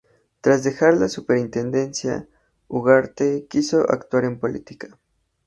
Tras dejar la Superintendencia, Ugarte quiso actuar en política.